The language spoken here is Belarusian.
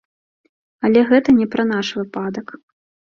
Але гэта не пра наш выпадак.